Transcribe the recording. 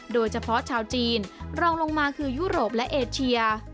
โดยเฉพาะชาวจีนรองลงมาคือยุโรปและเอเชีย